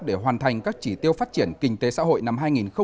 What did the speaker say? để hoàn thành các chỉ tiêu phát triển kinh tế xã hội năm hai nghìn một mươi chín